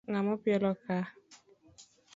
Ng'a mo pielo ka?